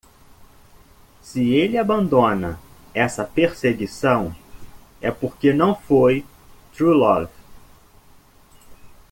Se ele abandona essa perseguição? é porque não foi truelove...